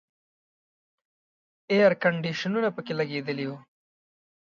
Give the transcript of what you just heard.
اییر کنډیشنونه پکې لګېدلي وو.